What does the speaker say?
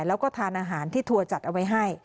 แล้วก็ทานอาหารที่ทัวร์จัดเอาไว้ให้